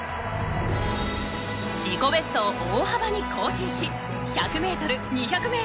自己ベストを大幅に更新し１００メートル２００メートル